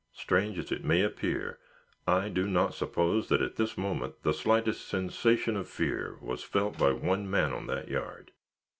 Strange as it may appear, I do not suppose that, at this moment, the slightest sensation of fear was felt by one man on that yard.